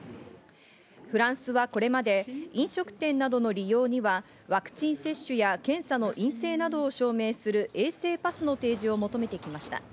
フランスはこれまで飲食店などの利用にはワクチン接種や検査の陰性などを証明する衛生パスの提示を求めてきました。